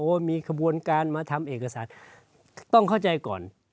มีขบวนการมาทำเอกสารต้องเข้าใจก่อน